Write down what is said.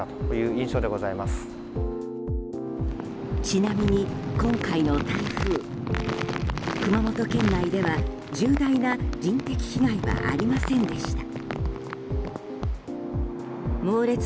ちなみに、今回の台風熊本県内では重大な人的被害はありませんでした。